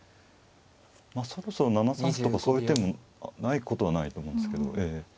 まあそろそろ７三歩とかそういう手もないことはないと思うんですけど。